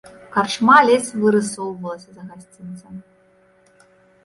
Карчма ледзь вырысоўвалася за гасцінцам.